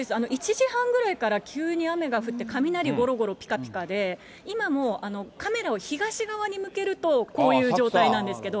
１時半ぐらいから急に雨が降って雷、ごろごろぴかぴかで、今もカメラを東側に向けるとこういう状態なんですけど。